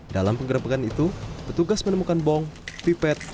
dalam penggerebekan itu petugas menemukan bong pipet